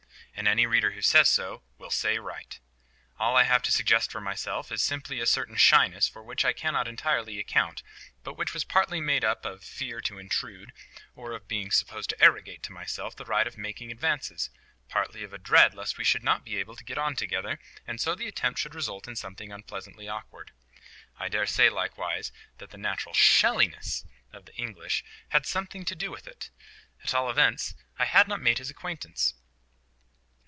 And any reader who says so, will say right. All I have to suggest for myself is simply a certain shyness, for which I cannot entirely account, but which was partly made up of fear to intrude, or of being supposed to arrogate to myself the right of making advances, partly of a dread lest we should not be able to get on together, and so the attempt should result in something unpleasantly awkward. I daresay, likewise, that the natural SHELLINESS of the English had something to do with it. At all events, I had not made his acquaintance.